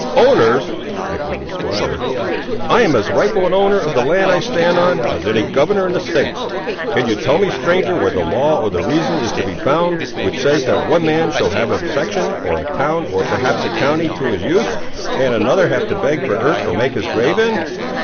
"Owners!" echoed the squatter, "I am as rightful an owner of the land I stand on, as any governor in the States! Can you tell me, stranger, where the law or the reason, is to be found, which says that one man shall have a section, or a town, or perhaps a county to his use, and another have to beg for earth to make his grave in?